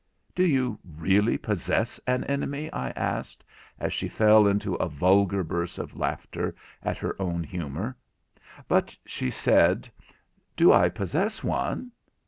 'Do you really possess an enemy?' I asked, as she fell into a vulgar burst of laughter at her own humour; but she said: 'Do I possess one?